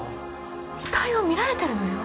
死体を見られてるのよ？